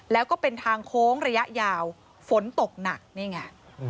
แล้วก็เป็นทางโค้งระยะยาวฝนตกหนักนี่ไง